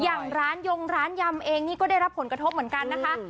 อย่างร้านยงร้านยำเองนี่ก็ได้รับผลกระทบเหมือนกันนะคะ